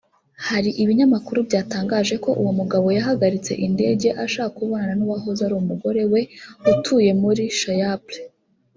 Hari ibinyamakuru byatangaje ko uwo mugabo yahagaritse indege ashaka kubonana n’uwahoze ari umugore we utuye muri Chypre